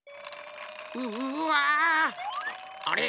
うわ！あれ？